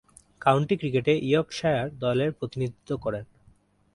County ক্রিকেটে Yorkshire দলের প্রতিনিধিত্ব করেন।